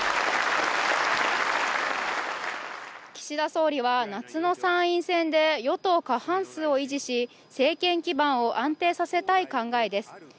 岸田総理は、夏の参院選で与党過半数を維持し政権基盤を安定させたい考えです。